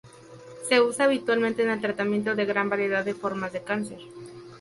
Se usa habitualmente en el tratamiento de gran variedad de formas de cáncer.